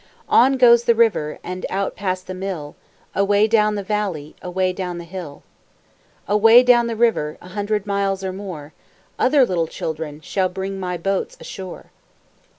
On goes the river And out past the mill, Away down the valley, Away down the hill; Away down the river, A hundred miles or more; Other little children Shall bring my boats ashore.